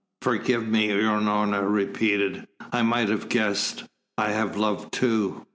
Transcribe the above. "Forgive me," Unorna repeated. "I might have guessed. I have loved too."